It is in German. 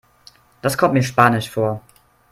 Das kommt mir spanisch vor.